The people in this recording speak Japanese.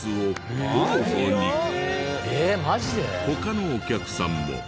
他のお客さんも。